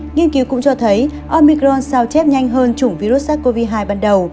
nghiên cứu cũng cho thấy omicron sao chép nhanh hơn chủng virus sars cov hai ban đầu